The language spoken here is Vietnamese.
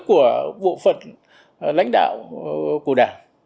của bộ phận lãnh đạo của đảng